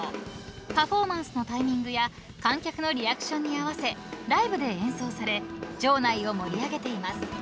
［パフォーマンスのタイミングや観客のリアクションに合わせライブで演奏され場内を盛り上げています］